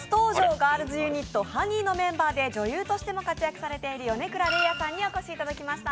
ガールズユニット８２１のメンバーで女優としても活躍されている米倉れいあさんにお越しいただきました。